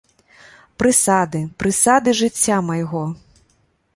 Прысады, прысады жыцця майго!